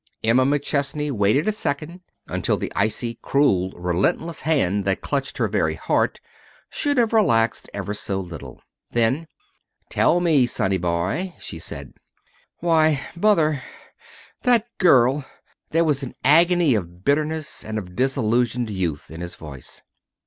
Emma McChesney waited a second, until the icy, cruel, relentless hand that clutched her very heart should have relaxed ever so little. Then, "Tell me, sonny boy," she said. "Why, Mother that girl " There was an agony of bitterness and of disillusioned youth in his voice.